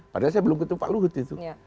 padahal saya belum ketemu pak luhut itu